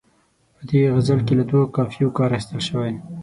په دې غزل کې له دوو قافیو کار اخیستل شوی.